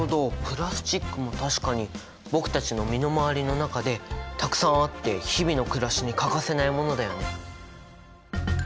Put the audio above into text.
プラスチックも確かに僕たちの身の回りの中でたくさんあって日々のくらしに欠かせないものだよね。